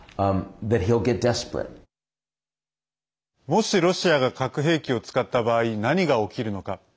もしロシアが核兵器を使った場合、何が起きるのか。